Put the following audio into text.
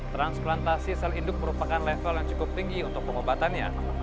transplantasi sel induk merupakan level yang cukup tinggi untuk pengobatannya